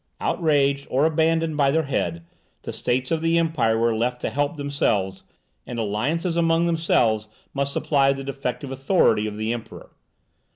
Outraged or abandoned by their head, the States of the Empire were left to help themselves; and alliances among themselves must supply the defective authority of the Emperor.